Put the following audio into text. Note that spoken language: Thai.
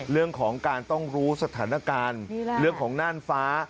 เรื่องของการต้องรู้สถานการณ์เรื่องของน่านฟ้า